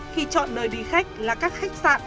khi chọn nơi đi khách là các khách sạn